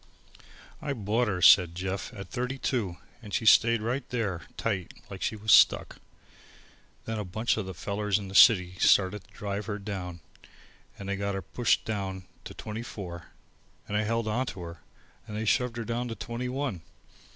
"I bought her," said Jeff, "at thirty two, and she stayed right there tight, like she was stuck. Then a bunch of these fellers in the city started to drive her down and they got her pushed down to twenty four, and I held on to her and they shoved her down to twenty one.